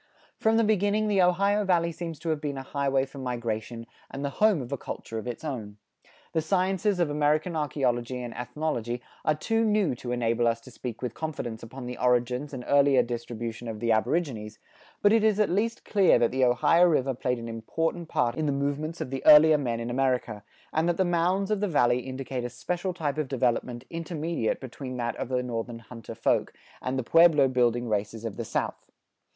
From the beginning the Ohio Valley seems to have been a highway for migration, and the home of a culture of its own. The sciences of American archeology and ethnology are too new to enable us to speak with confidence upon the origins and earlier distribution of the aborigines, but it is at least clear that the Ohio river played an important part in the movements of the earlier men in America, and that the mounds of the valley indicate a special type of development intermediate between that of the northern hunter folk, and the pueblo building races of the south.